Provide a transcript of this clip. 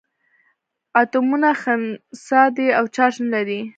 اتومونه خنثي دي او چارج نه لري.